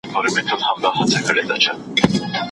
هغه نجلۍ ډېره خوشحاله ښکاري.